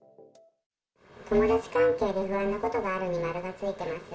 友達関係で不安なことがあるに丸がついています。